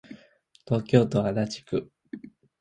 東京都足立区